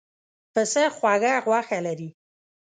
پسه خوږه غوښه لري.